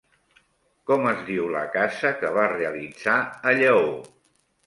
Com es diu la casa que va realitzar a Lleó?